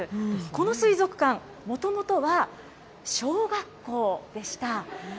この水族館、もともとは、小学校でした。